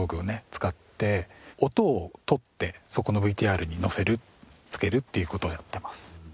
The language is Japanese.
使って音をとってそこのＶＴＲにのせるつけるっていう事をやっています。